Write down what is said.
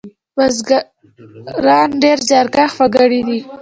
بزگران ډېر زیارکښ وگړي دي.